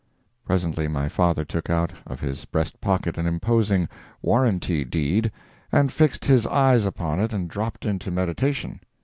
Presently my father took out of his breast pocket an imposing "Warranty Deed," and fixed his eyes upon it and dropped into meditation.